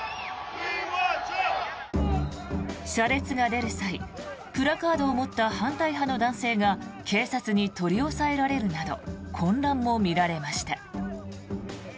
車列が出る際プラカードを持った反対派の男性が警察に取り押さえられるなど混乱も見られました。